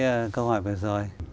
về cái câu hỏi vừa rồi